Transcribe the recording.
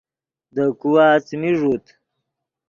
دے کھوا څیمی ݱوت